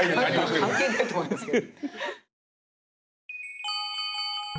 関係ないと思いますけど。